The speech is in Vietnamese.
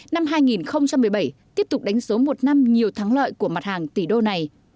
năm hai nghìn một mươi bảy tiếp tục đánh số một năm nhiều thắng lợi của mặt hàng tỷ đô này